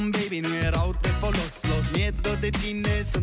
ที่โรงพยาบาลสุดยอดเลยนี่ยอดฮิตมากเลย